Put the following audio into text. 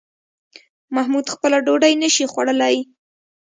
محمود خپله ډوډۍ نشي خوړلی